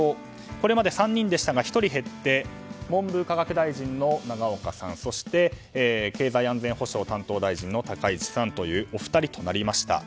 これまで３人でしたが１人減って文部科学大臣の永岡さんそして経済安全保障担当大臣の高市さんのお二人となりました。